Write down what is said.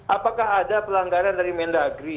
apakah ada pelanggaran dari mendagri